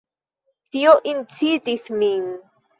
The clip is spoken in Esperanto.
Tio incitis min.